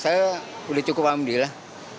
saya udah cukup ambil lah